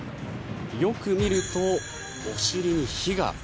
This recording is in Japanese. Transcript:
よく見ると、お尻に火が。